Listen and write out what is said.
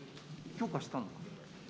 許可したの。